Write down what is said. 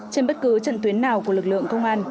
trên bất cứ trận tuyến nào của lực lượng công an